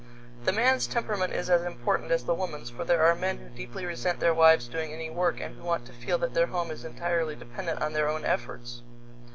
The man's temperament is as important as the woman's, for there are men who deeply resent their wives' doing any work and who want to feel that their home is entirely dependent on their own efforts.